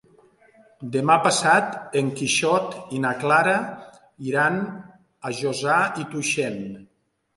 Demà passat en Quixot i na Clara iran a Josa i Tuixén.